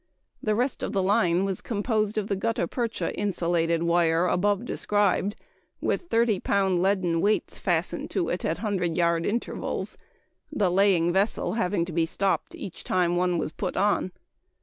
The rest of the line was composed of the gutta percha insulated wire above described, with 30 pound leaden weights fastened to it at 100 yard intervals, the laying vessel having to be stopped each time one was put on.